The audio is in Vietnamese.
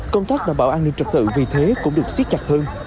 công tác đảm bảo an ninh trật tự vì thế cũng được xiết chặt hơn